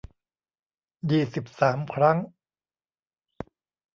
ยี่สิบสาม ครั้ง